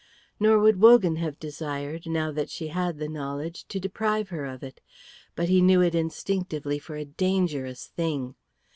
Nor would Wogan have desired, now that she had the knowledge, to deprive her of it, but he knew it instinctively for a dangerous thing.